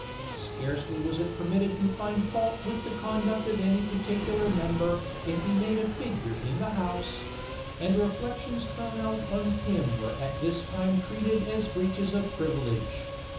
Scarcely was it permitted to find fault with the conduct of any particular member, if he made a figure in the house; and reflections thrown out on Pym were at this time treated as breaches of privilege.